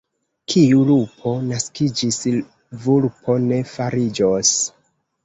Kiu lupo naskiĝis, vulpo ne fariĝos.